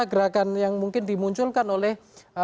gerakan yang mungkin dimunculkan oleh public figure